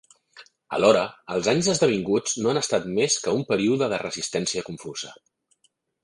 Alhora, els anys esdevinguts no han estat més que un període de resistència confusa.